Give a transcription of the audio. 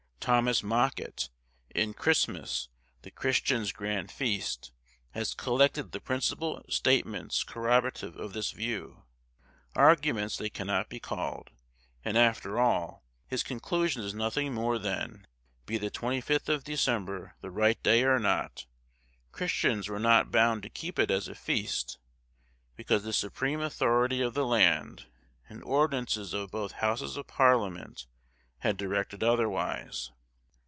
Thomas Mockett, in 'Christmas, the Christian's Grand Feast,' has collected the principal statements corroborative of this view—arguments they cannot be called; and after all, his conclusion is nothing more than, be the 25th of December the right day or not, Christians were not bound to keep it as a feast, because the supreme authority of the land, and ordinances of both Houses of Parliament, had directed otherwise.